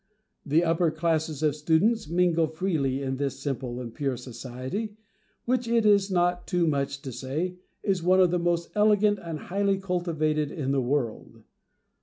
The upper classes of students mingle freely in this simple and pure society, which, it is not too much to say, is one of the most elegant and highly cultivated in the world.